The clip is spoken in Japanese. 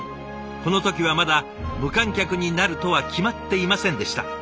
この時はまだ無観客になるとは決まっていませんでした。